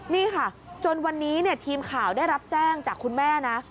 นี่ค่ะจนวันนี้ทีมข่าวได้รับแจ้งจากคุณแม่นะ